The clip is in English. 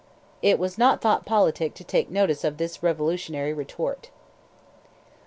It was not thought politic to take notice of this revolutionary retort.